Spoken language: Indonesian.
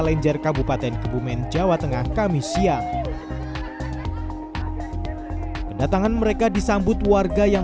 lenjer kabupaten kebumen jawa tengah kamis siang kedatangan mereka disambut warga yang